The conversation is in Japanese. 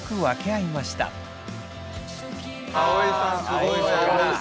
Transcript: すごいわ。